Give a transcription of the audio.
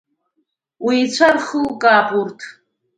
Уи ицәа рхылкаалап урҭ.